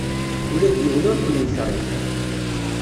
Ula d yiwen ur ken-yekṛih.